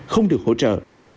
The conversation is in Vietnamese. không được hỗ trợ